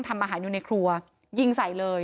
ทำอาหารอยู่ในครัวยิงใส่เลย